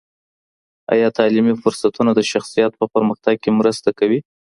آیا تعلیمي فرصتونه د شخصیت په پرمختګ کي مرسته کوي؟